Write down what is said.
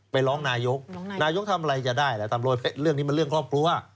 ไปร้องนายกนายกทำอะไรจะได้ล่ะเรื่องนี้มันเรื่องครอบครัว